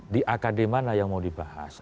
di akd mana yang mau dibahas